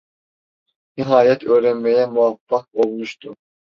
Nihayet öğrenmeye muvaffak olmuştu.